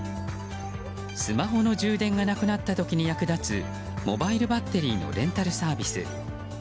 スマホの充電がなくなった時に役立つモバイルバッテリーのレンタルサービス。